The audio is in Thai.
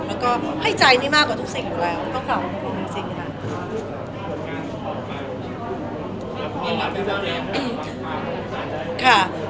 แล้วก็ให้ใจนี่มากกว่าทุกสิ่งอยู่แล้วต้องกล่าวว่าความรู้จักจริงค่ะ